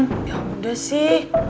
ya udah sih